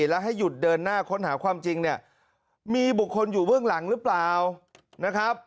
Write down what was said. และให้หยุดเดินหน้าค้นหาความจริงมีบุคคลอยู่เบื้องหลังหรือเปล่า